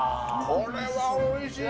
これはおいしい。